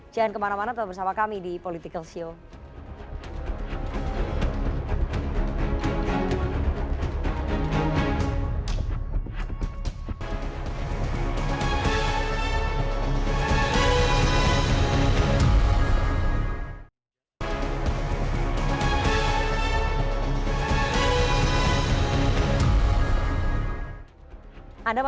jangan kemana mana atau bersama kami di political show